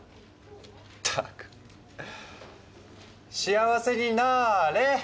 ったく幸せになれ！